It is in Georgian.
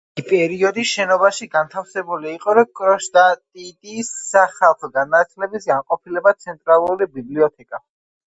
ერთი პეროდი შენობაში განთავსებული იყო კრონშტადტის სახალხო განათლების განყოფილება, ცენტრალური ბიბლიოთეკა.